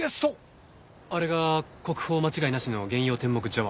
あれが国宝間違いなしの幻曜天目茶碗？